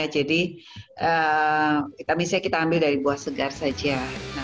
jadi vitamin c kita ambil dari buah segar saja